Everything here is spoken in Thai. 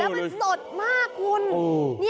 แล้วมันสดมากคุณ